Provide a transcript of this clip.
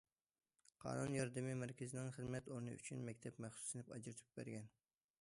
قانۇن ياردىمى مەركىزىنىڭ خىزمەت ئورنى ئۈچۈن مەكتەپ مەخسۇس سىنىپ ئاجرىتىپ بەرگەن.